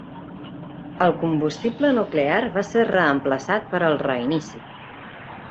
El combustible nuclear va ser reemplaçat per al reinici.